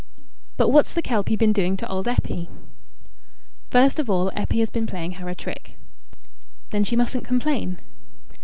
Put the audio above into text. "But what's the Kelpie been doing to old Eppie?" "First of all, Eppie has been playing her a trick." "Then she mustn't complain."